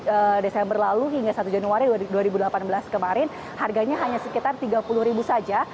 dari desember lalu hingga satu januari dua ribu delapan belas kemarin harganya hanya sekitar rp tiga puluh ribu saja